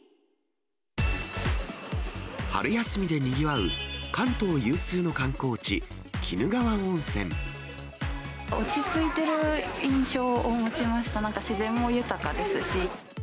春休みでにぎわう関東有数の落ち着いてる印象を持ちました、なんか自然も豊かですし。